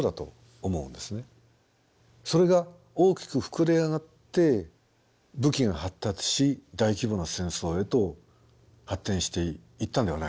それが大きく膨れ上がって武器が発達し大規模な戦争へと発展していったんではないでしょうか。